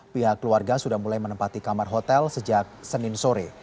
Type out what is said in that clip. pihak keluarga sudah mulai menempati kamar hotel sejak senin sore